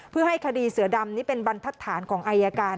เพื่อให้คดีเสือดำนี่เป็นบรรทัศนของอายการ